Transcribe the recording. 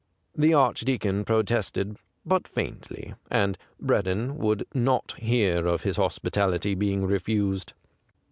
The Archdeacon pro tested, but faintly, and Breddon would not hear of his hospitality being refused.